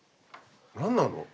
何なの？